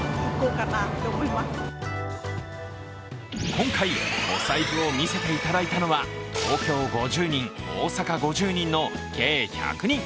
今回、お財布を見せていただいたのは東京５０人、大阪５０の計１００人。